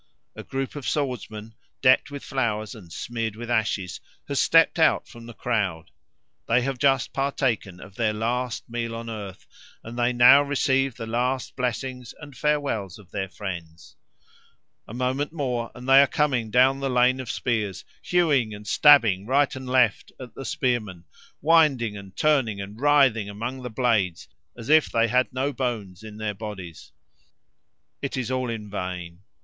A group of swordsmen, decked with flowers and smeared with ashes, has stepped out from the crowd. They have just partaken of their last meal on earth, and they now receive the last blessings and farewells of their friends. A moment more and they are coming down the lane of spears, hewing and stabbing right and left at the spearmen, winding and turning and writhing among the blades as if they had no bones in their bodies. It is all in vain.